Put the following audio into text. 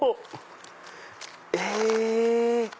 え！